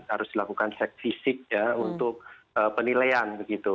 harus dilakukan seksisik ya untuk penilaian gitu